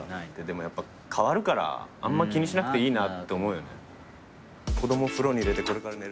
でもやっぱ変わるからあんま気にしなくていいなって思うよね。